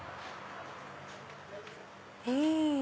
うん！